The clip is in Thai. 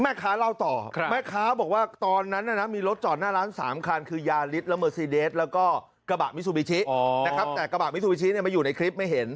แม่ค้าเล่าต่อแม่ค้าบอกว่าตอนนั้นน่ะนะมีรถจอดหน้าร้าน๓คันคือยาลิสละเมอร์ซีเดสแล้วก็กระบะมิซูบิชินะครับแต่กระบะมิซูบิชิมาอยู่ในคลิปไม่เห็น